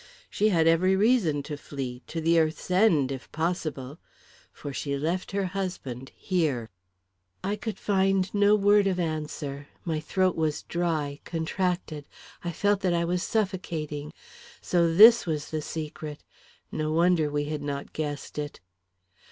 "She had every reason to flee to the earth's end, if possible. For she left her husband here!" I could find no word of answer; my throat was dry, contracted; I felt that I was suffocating. So this was the secret! No wonder we had not guessed it!